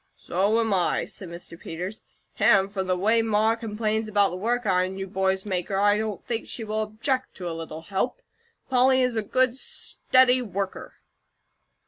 "So am I," said Mr. Peters, "and from the way Ma complains about the work I and you boys make her, I don't think she will object to a little help. Polly is a good, steady worker."